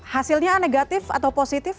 hasilnya negatif atau positif